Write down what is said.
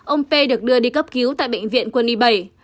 ông p được đưa đi cấp cứu tại bệnh viện quân y bảy